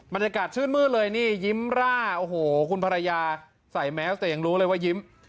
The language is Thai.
บรรยากาศชื่นมืดเลยนี่ยิ้มร่าโอ้โหคุณภรรยาใส่แมสแต่ยังรู้เลยว่ายิ้ม